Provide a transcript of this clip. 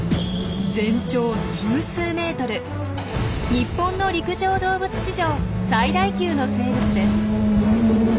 日本の陸上動物史上最大級の生物です。